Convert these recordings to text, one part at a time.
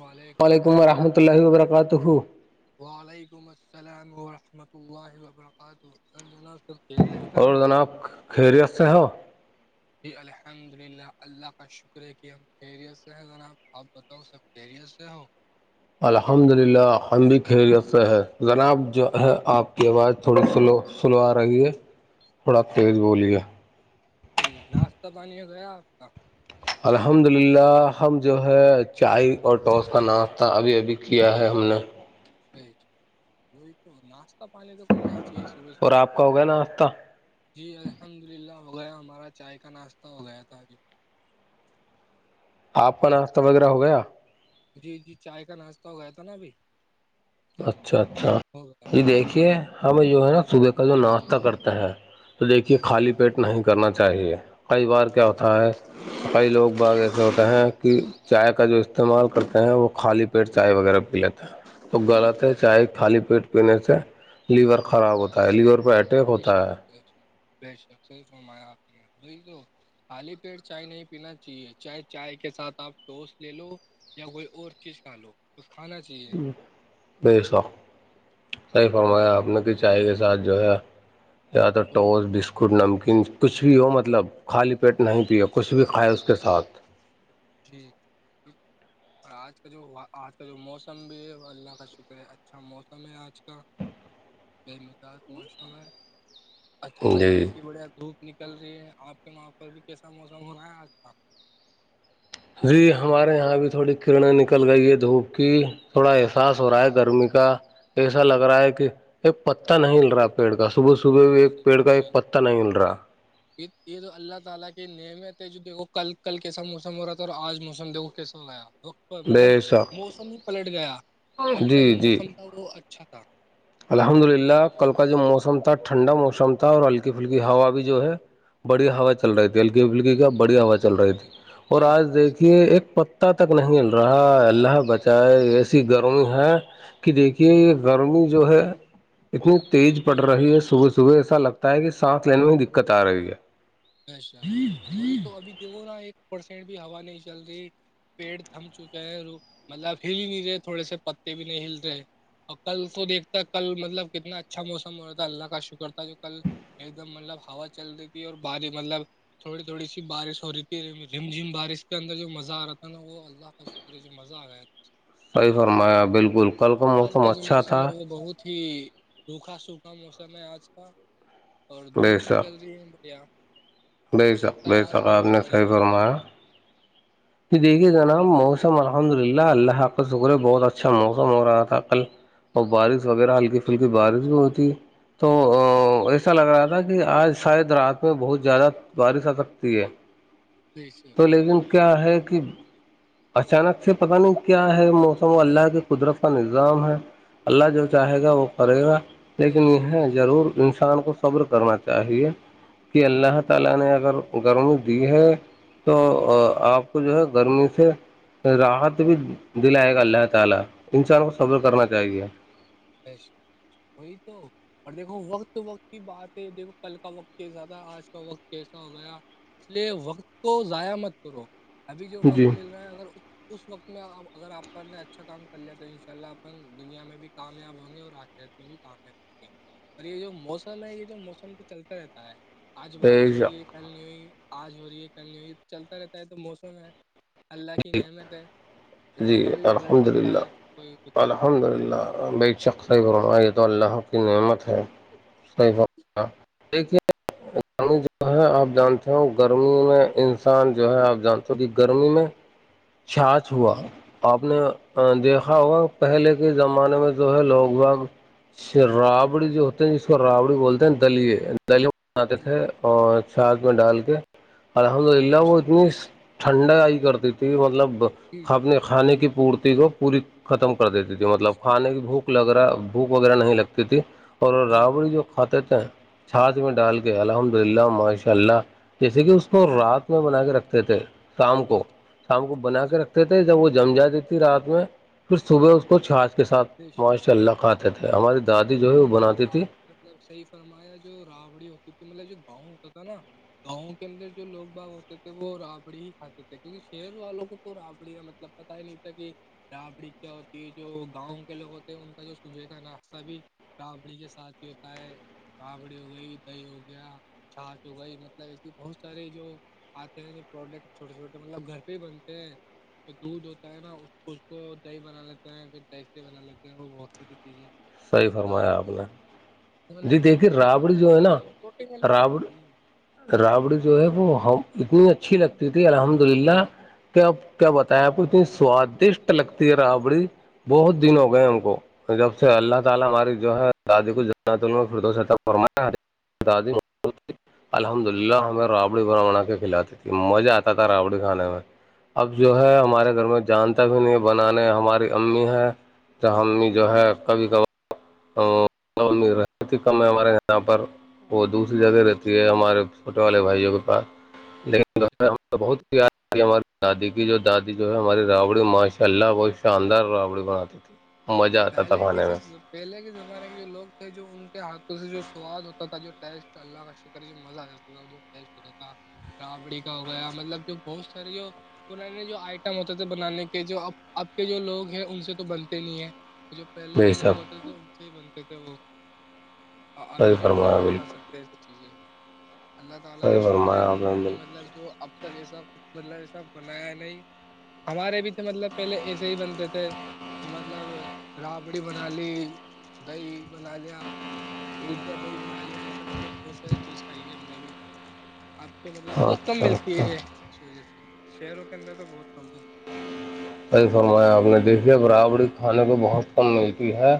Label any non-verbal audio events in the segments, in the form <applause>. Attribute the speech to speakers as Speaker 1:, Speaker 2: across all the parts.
Speaker 1: وعلیک
Speaker 2: وعلیکم ورحمۃ اللہ و برکاتہ
Speaker 1: وعلیکم السلام ورحمۃ اللہ و برکاتہ جناب پے
Speaker 2: اور جناب خیریت سے ہو
Speaker 1: جی الحمد للہ اللہ کا شکر ہے کہ ہم خیریت سے ہیں جناب آپ بتاؤ سب خیریت سے ہو
Speaker 2: الحمد للہ ہم بھی خیریت سے ہے جناب جو ہے آپ کی آواز تھوڑا سلو سلو آ رہی ہے تھوڑا تیز بولیے
Speaker 1: جی ناشتہ پانی ہو گیا آپ کا
Speaker 2: الحمد للہ ہم جو ہے چائے اور ٹوس کا ناشتہ ابھی ابھی کیا ہے ہم نے
Speaker 1: وہ تو ناشتہ پانی تو کرنا ہی چاہیے صبح
Speaker 2: اور
Speaker 1: صبح
Speaker 2: آپ کا ہو گیا ناشتہ
Speaker 1: جی الحمد للہ ہو گیا ہمارا چائے کا ناشتہ ہو گیا تھا ابھی
Speaker 2: آپ کا ناشتہ
Speaker 1: چائے
Speaker 2: وغیرہ ہو گیا
Speaker 1: جی جی چائے کا ناشتہ ہو گیا تھا نا ابھی
Speaker 2: اچھا اچھا
Speaker 1: ہو گیا
Speaker 2: جی دیکھیے ہم جو ہے نا صبح کا جو ناشتہ کرتے ہیں تو دیکھیے خالی پیٹ نہیں کرنا چاہیے کئی بار کیا ہوتا
Speaker 1: جی
Speaker 2: ہے کئی لوگ بغ ایسے ہوتے ہیں کہ چائے کا جو استعمال کرتے ہیں وہ خالی پیٹ چائے وغیرہ پی لیتے ہیں تو غلط ہے چاہے خالی پیٹ پینے سے لیور خراب ہوتا ہے لیور پہ اٹیک
Speaker 1: ب
Speaker 2: ہوتا
Speaker 1: شک
Speaker 2: ہے
Speaker 1: شک سر س میا ہات میں خالی پیڑ چائے نہیں پینا چاہیے چ چائے کے ساتھ آپ وس لے لو یا کوئی اور چیز کھا لو کچھ کھانا چاہیے
Speaker 2: ب سخ صحیح فرمایا آپ نے کہ چائے کے ساتھ جو ہے یا تو ٹوس بسک ک نمکین کچھ بھی ہو مطلب خالی پیٹ نہیں پییا کچھ بھی کھائے اس کے ساتھ
Speaker 1: ٹھیک اور آج کا جو آج کا جو موسم بھی ہے وہ اللہ کا شکر ہے اچھا موسم ہے آج کا بے مزج موش ہے ا
Speaker 2: جی
Speaker 1: ہلکی سی بڑھیا دھوپ نکل رہی ہے آپ کے وہاں پر بھی کیسا موسم ہو رہا ہے آج کا
Speaker 2: جی ہمارے یہاں بھی تھوڑی کرنیں نکل گئی ہے دھوپ کی تھوڑا احساس ہو رہا ہے گرمی کا ایسا لگ رہا ہے کہ یہ پتتا نہیں ہل رہا پیڑ کا صبح صبح
Speaker 1: جی
Speaker 2: ایک پیڑ کا ایک پہ نہیں مل رہا
Speaker 1: <unintelligible> شن ل مطلب
Speaker 2: بے شک
Speaker 1: موسم ہی پلٹ گیا کل کا
Speaker 2: جی
Speaker 1: جو
Speaker 2: جی
Speaker 1: موسم تھا وہ اچھا تھا
Speaker 2: الحمد للہ کل کا جو موسم تھا ٹھنڈا موسم تھا اور ہلکی پھلکی ہوا
Speaker 1: جی
Speaker 2: بھی جو ہے بڑی ہوا چل رہی تھی اللکی پلکی کا بڑی ہوا چل رہی تھی اور آج دیکھیے ایک پ پتا تک نہیں مل رہا اللہ بچائے ایسی گرمی ہے کہ دیکھیے یہ گرمی جو ہے اتنی تیز پڑ
Speaker 1: جی
Speaker 2: رہی ہے
Speaker 1: جی
Speaker 2: صبح سے صبح ایسا لگتا ہے کہ سانس لینے میں دقت آ رہی ہے
Speaker 1: بشک ب شک وہی تو ابھی دیکھو نا ایک پرسینٹ بھی ہوا نہیں چل رہی پیڑ تھم چکے ہیں رو مطلب اب ہل ہی نہیں رہے تھوڑے سے پتے بھی نہیں ہل رہے اور کل تو دیکھتا کل مطلب کتنا اچھا موسم ہو رہتا ہے اللہ کا شکر تھا جو کل ایک دم مطلب ہا چل رہی تھی اور بھاری مطلب تھوڑی تھوڑی سی بارش ہو رہی تھی رم جھم بارش کے اندر جو مزہ آ رہا تھا نا وہ اللہ کا جو مزہ آ گیا ہے
Speaker 2: صحیح
Speaker 1: دیکھ کے
Speaker 2: فرمایا بالکل کل
Speaker 1: آج
Speaker 2: موسم
Speaker 1: کا جو
Speaker 2: اچھا
Speaker 1: موسم ہے
Speaker 2: تھا
Speaker 1: وہ بہت ا ہی سوکھا سوکھا موسم ہے آج کا اور
Speaker 2: بے
Speaker 1: دھوپ
Speaker 2: شک
Speaker 1: نکل رہی ہے بڑے یہاں
Speaker 2: بے شک بے شق آپ نے
Speaker 1: پڑے
Speaker 2: صحیح
Speaker 1: گی
Speaker 2: فرمایا جی دیکھیے جناب موسم الحمد للہ اللہ ح آا کا شکر ہے بہت اچھا موسم ہو رہا تھا کل اور بارش وغیرہ ہلکی پھلکی بارش بھی ہوتی تو تو ایسا لگ رہا تھا کہ آج شاید رات میں بہت زیادہ بارش آ سکتی ہے
Speaker 1: جی سر
Speaker 2: تو لیکن کیا ہے کہ اچانک سے پتہ نہیں کیا ہے موسم اللہ کے قدرت کا نظام ہے اللہ جو چاہے گا وہ کرے گا
Speaker 1: بے
Speaker 2: لیکن
Speaker 1: شک بے
Speaker 2: یہ
Speaker 1: شک
Speaker 2: ضرور انسان کو صبر کرنا چاہیے اللہ تعالی نے اگر گھروں کی ہے تو آپ کو جو ہے گرمی سے رات دلائے گا اللہ تعالی انسان کو صبر کرنا چاہیے
Speaker 1: بش وہی تو اور دیکھو وقت وقت کی بات ہے دیکھو کل کا وقت کیسا تھا آج کا وقت کیسا ہو گیا اس لیے وقت تو ضائع مت کرو ابھی جو
Speaker 2: جی
Speaker 1: وقت لے رہا ہے اگر اس وقت میں اگر آپن نے اچھا کام کر لیا تو ان شاء اللہ اپن دنیا میں بھی کامیاب ہوں گے اور آ کےت میں بھی کام ہے اور یہ جو موسم ہے یہ جو موسم تو چلتا رہتا ہے آج بارش ہو رہی ہے کل نہیں ہوئی آج ہو رہی ہے کل نہیں ہوئی چلتا رہتا ہے تو موسم ہے اللہ کی نعمیت ہے یہ تو
Speaker 2: جی
Speaker 1: کبھی بھی پلٹ
Speaker 2: الحمد
Speaker 1: سکتا
Speaker 2: للہ
Speaker 1: ہے اس کوئی کچھ نہیں ہے
Speaker 2: الحمد للہ بے شک خیف رما یہ تو اللہ کی نعمت ہے صیف دیکھیے گر جو ہے آپ جانتے ہو گرمی میں انسان جو ہے آپ جانتے ہو کہ گرمی میں چچھ ہوا آپ نے دیکھا ہوگا پہلے کے زمانے میں جو ہے لوگ بھگ رابڑی جو ہوتے ہیں جس کو رابڑی بولتے ہیں دلیے دلی بناتے
Speaker 1: جی
Speaker 2: تھے اور چھااک میں ڈال کے الحمد للہ
Speaker 1: بے
Speaker 2: وہ
Speaker 1: شک
Speaker 2: اتنی ٹھنڈا آئی کرتی تھی مطلب
Speaker 1: جی
Speaker 2: اپ اپنے
Speaker 1: جی
Speaker 2: کھانے کی پورتی کو پوری ختم کر دیتی تھی مطلب کھانے کی بھوک لگ رہا بھوک وغیرہ نہیں لگتی تھی اور
Speaker 1: جی
Speaker 2: رابڑی جو کھاتے تھ ہیں چھاچ میں ڈال کے الحمد للہ ماشاء اللہ جیسے کہ
Speaker 1: جی
Speaker 2: اس کو رات اس میں بنا کے رکھتے تھے شام کو
Speaker 1: جی
Speaker 2: شام کو بنا
Speaker 1: جی
Speaker 2: کے رکھتے تھے جب وہ جم جاتی تھی رات میں پھر صبح اس کو چھا اس کے ساتھ
Speaker 1: بے شک
Speaker 2: معاشرے اللہ کھاتے تھے ہماری دادی جو ہے وہ
Speaker 1: الحمد
Speaker 2: بناتی
Speaker 1: للہ
Speaker 2: تھی
Speaker 1: آپ مطلب صحیح فرمایا جو راوڑی ہوتی تھی مطلب جو گاؤں ہوتا تھا نا گاؤں کے اندر جو لوگ باغ ہوتے تھے وہ رابڑی ہی کھاتے تھے کیونکہ شہر والوں کو تو رڑ کپڑی کا مطلب پتا ہی نہیں تھا کہ رابڑی کیا ہوتی ہے جو گاؤں کے لوگ ہوتے ہیں ان کا جو سجے کا ناشتہ بھی رابڑی کے ساتھ ہی ہوتا ہے رابڑی ہو گئی دہی ہو گیا چاچ ہو گئی مطلب ایسے بہت سارے جو آتے ہیں جو پروڈکٹ چھوٹے چھوٹے مطلب گھر پہ ہی بنتے ہیں پھر دودھ ہوتا ہے نا اس اس کو دہی بنا لیتے ہیں پھر دہستے بنا لیتے ہیں وہ بہت ساری چیزیں
Speaker 2: صحیح فرمایا آپ
Speaker 1: رابڑی
Speaker 2: نے
Speaker 1: مطلب
Speaker 2: جی
Speaker 1: بہت
Speaker 2: دیکھیے
Speaker 1: ساری چیز
Speaker 2: رابڑ
Speaker 1: بناتے ہو
Speaker 2: جو ہے نا
Speaker 1: پروٹین والی چیز
Speaker 2: رابڑ
Speaker 1: ہوتی ہے
Speaker 2: رابڑی جو ہے وہ اتنی اچھی لگتی تھی الحمد للہ کیا کیا بتائیں آپ کو اتنی سوادشٹ لگتی ہے رابڑی بہت دن ہو گئے ہم کو جب سے اللہ تعالی ہماری جو ہے دادے کو فردوس عطا فرمائے ادی الحمد للہ ہمیں رابڑی بر بنا کے کھلاتی تھی مزہ آتا تھا رابڑی کھانے میں اب
Speaker 1: بے
Speaker 2: جو ہے
Speaker 1: شک
Speaker 2: ہمارے گھر میں جانتا بھی نہیں بنانے ہماری امی ہے تو امی جو ہے کبھی کبار کم ہے ہمارے یہاں پر وہ دوسری جگہ
Speaker 1: بے
Speaker 2: رہتی
Speaker 1: شک
Speaker 2: ہے ہمارے چھوٹے والے بھائیوں کے پاس لیکن ہم بہت پیار کہ ہماری دادی کی جو دادی جو ہے ہماری رابڑی ماشاء اللہ بہت شاندار راوڑی بناتی تھی مزہ آتا تھا
Speaker 1: پہل
Speaker 2: کھانے میں
Speaker 1: کہس پہلے کے زمانے کے جو لوگ تھے جو ان کے ہاتھوں سے جو سواد ہوتا تھا جو ٹیسٹ اللہ کا شکر جو مزہ آ جاتا تھا ٹیسٹ ہوتا تھا رابڑی کا ہو گیا مطلب جو بہت ساری جو پرانے جو آئٹم ہوتے تھے بنانے کے جو ا اب کے جو لوگ ہیں ان سے تو بنتے نہیں ہیں جو پہلے کے
Speaker 2: بے
Speaker 1: لوگ
Speaker 2: شک
Speaker 1: ہوتے تھے ان سے ہی بنتے تھے وہ
Speaker 2: صحیح
Speaker 1: ابھی کے لوگ
Speaker 2: فرمایا
Speaker 1: نہیں بنا
Speaker 2: بالکل
Speaker 1: سکتے س چیزیں اللہ تعالی کا
Speaker 2: صحیح
Speaker 1: شکر ہے
Speaker 2: فرمایا آپ نے
Speaker 1: کہ
Speaker 2: بالکل
Speaker 1: مطلب جو اب تک بنایا نہیں ہمارے بھی تو مطلب پہلے ایسے ہی بنتے تھے کہ مطلب رابڑی بنا لی دہی بنا لیا دودھ کا دہی بنا لیا ایسا مطلب بہت ساری چیز کھائی ہے ہم نے بھی آپ کے مطلب بہت کم
Speaker 2: اچھا
Speaker 1: ملتی
Speaker 2: اچھا
Speaker 1: ہے اس وجہ سے شہروں کے اندر تو بہت کم ہے
Speaker 2: ص سرما آپ نے دیکھی ہے بربڑی کھانے کو بہت کم ملتی ہے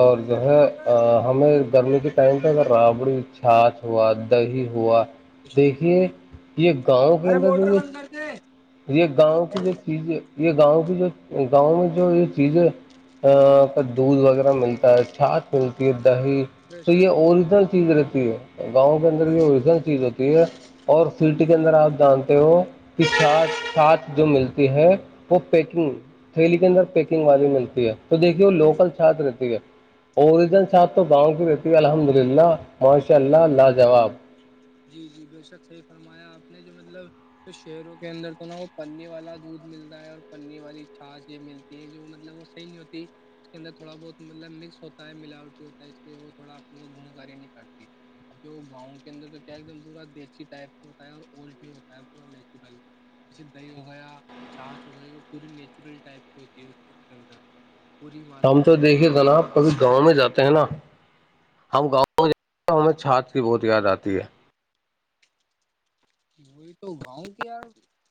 Speaker 2: اور
Speaker 1: بند
Speaker 2: جو
Speaker 1: کر دے
Speaker 2: ہے
Speaker 1: موٹر
Speaker 2: ہمیں گرمی کے ٹائم پہ اگر رابڑی چھاھ ہوا دہی ہوا دیکھیے یہ گاؤں کے اندر جو ہے
Speaker 1: کرتے ہے
Speaker 2: یہ گاؤں کی جو چیزیں یہ گاؤں کی جو گاؤں میں جو یہ چیزیں کا دودھ وغیرہ ملتا ہے چھات ملتی ہے دہی
Speaker 1: بے
Speaker 2: تو یہ
Speaker 1: شک
Speaker 2: اوریجنل چیز رہتی ہے گاؤں کے اندر
Speaker 1: بے
Speaker 2: یہ
Speaker 1: شک
Speaker 2: اوریجنل
Speaker 1: بے
Speaker 2: چیز
Speaker 1: شک
Speaker 2: ہوتی ہے اور سیٹی کے اندر آپ جانتے ہو کہ سچ ساتھ جو ملتی ہے وہ پیکنگ تھیلی کے اندر پیکنگ والی ملتی ہے تو دیکھیے وہ
Speaker 1: بے شک۔
Speaker 2: لوکل چھات رہتی ہے اوریجن ساتھ تو گاؤں کی رہتی الحمد للہ ماشاء اللہ لاجواب
Speaker 1: جی جی بے شک صحیح فرمایا آپ نے جو مطلب تو شہروں کے اندر تو نا وہ پنی والا دودھ ملتا ہے اور پنی والی چھاچ یہ مل یہ جو مطلب وہ صحیح نہیں ہوتی اس کے اندر تھوڑا بہت مطلب مکس ہوتا ہے ملاوٹی ہوتا ہے اس لیے وہ تھوڑا اپ کو گنکاری نہیں کرتی <unintelligible> اب جو گاؤں کے اندر تو کیا ایک دم پورا دیسی ٹائپ کا ہوتا ہے اورٹ ہوتا ہے پورا <unintelligible> جیسے دہی ہو گیا چھاچ ہو گئی وہ پوری نیچورل ٹائپ کی ہوتی ہے اس کو کے اندر پوری
Speaker 2: ہم
Speaker 1: ماترا
Speaker 2: تو
Speaker 1: ہوتی
Speaker 2: دیکھے
Speaker 1: ہے
Speaker 2: جناب کبھی گاؤں میں جاتے ہیں نا ہم گاؤں میں ج تو ہمیں چھات کی بہت یاد آتی ہے
Speaker 1: وہی تو گاؤں کے یار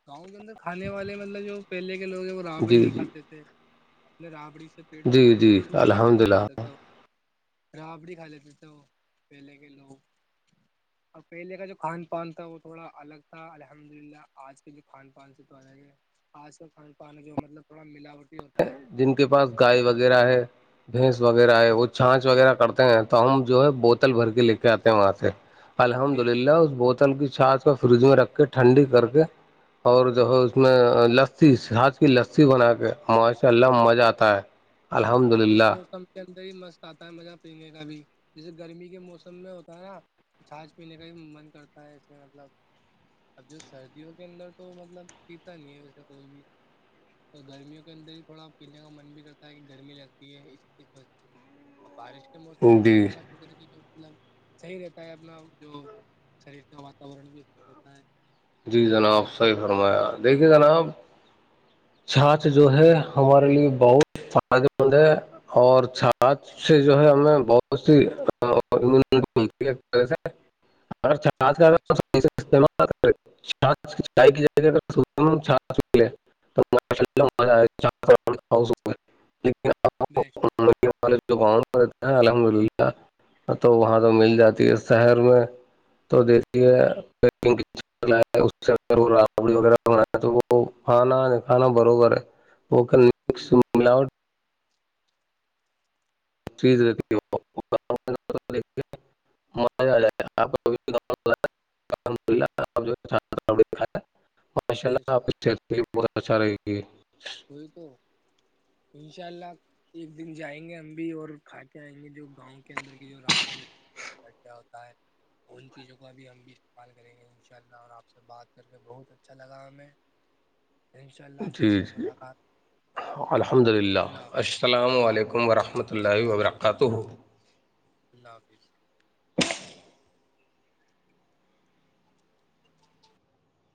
Speaker 1: گاؤں کے اندر کھانے والے مطلب جو پہلے کے لوگ ہیں وہ رابڑی
Speaker 2: جی
Speaker 1: ہی
Speaker 2: جی
Speaker 1: کھاتے تھے اپ رابڑی سے پیٹ بھرھتے
Speaker 2: جی
Speaker 1: تھا
Speaker 2: جی
Speaker 1: مطلب روٹی تو
Speaker 2: الحمد
Speaker 1: کم کھات
Speaker 2: للہ
Speaker 1: تھ رابڑی کھا لیتے تھے وہ پہلے کے لوگ اور پہلے کا جو کھان پان تھا وہ تھوڑا الگ تھا الحمد للہ آج کے جو کھان پان سے تو الگ ہے خاص کر کھان پان جو مطلب تھوڑا ملاوٹ
Speaker 2: جن کے پاس گائے وغیرہ ہے بھینس وغیرہ ہے وہ چھانچ وغیرہ کرتے ہیں تو ہم جو ہے بوتل بھر کے لے کے آتے ہیں وہاں سے الحمد
Speaker 1: بے
Speaker 2: للہ
Speaker 1: شک،
Speaker 2: اس بوتل کی چھات اس فریج میں رکھ کے ٹھنڈی کر کے اور جو ہے اس میں لسی ہج کی لسی بنا کے ماش لم مزہ آتا ہے الحمد
Speaker 1: اور اس
Speaker 2: للہ
Speaker 1: موسم کے اندر ہی مست آتا ہے مزہ پینے کا بھی جیسے گرمی کے موسم میں ہوتا ہے نا چھچھ پینے کا ہی من کرتا ہے اس میں مطلب اب جو سردیوں کے اندر تو مطلب پیتا نہیں ہے ویسے کوئی بھی تو گرمیوں کے اندر ہی تھوڑا پینے کا من بھی کرتا ہے کہ گرمی لگتی ہے اس بارش کے موسم میں تو
Speaker 2: جی
Speaker 1: اللہ کا جو مطلب صحیح رہتا ہے اپنا جو شریر کا واتورن بھی ہوتا ہے
Speaker 2: جی
Speaker 1: مطلب بیمار
Speaker 2: جناب صحیح فرمایا دیکھیے جناب چھاات جو ہے ہمارے لیے بہت فائدے مند ہے اور چھات اس سے جو ہے ہمیں بہت سیتی چھ کا استعمال چ کی جھیں ل
Speaker 1: بیسٹ
Speaker 2: الحمد للہ تو وہاں تو مل جاتی ہے شہر میں تو دیتی ہے اس ا وہ ری وغیرہ بن تو وہ پانا کھانا بربر ہے وہک
Speaker 1: جی
Speaker 2: ملاوٹ چیز <inaudible>
Speaker 1: وہی تو
Speaker 2: ماشاء اللہ
Speaker 1: بیسٹ
Speaker 2: آپ کی صحت لیے بہت اچھا رہے گی <unintelligible>
Speaker 1: <inaudible> چار لاکھ ایک دن جائیں گے ہم بھی اور کھا کے آئیں گے جو گاؤں کے اندر کے جو رابڑی ہو ہوتا ہے ان چیزوں کا بھی ہم بھی استعمال کریں گے ان شاء اللہ اور آپ سے بات کر کے بہت اچھا لگا ہمیں انشاء اللہ پھر
Speaker 2: جی
Speaker 1: سے
Speaker 2: جی
Speaker 1: ملاقات
Speaker 2: الحمد للہ
Speaker 1: اللہ حافظ
Speaker 2: السلام علیکم ورحمۃ اللہ
Speaker 1: وعلیکم
Speaker 2: وبرکاتہ
Speaker 1: اللہ حافظ